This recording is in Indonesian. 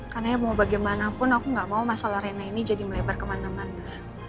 karena mau bagaimanapun aku gak mau masalah rena ini jadi melebar kemana mana